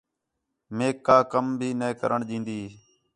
میک کا کَم بھی نَے کرݨ ݙین٘دی